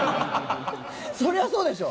そりゃそうでしょ！